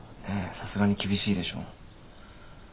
さすがに厳しいでしょ。